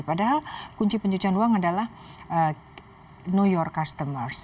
padahal kunci pencucian uang adalah know your customers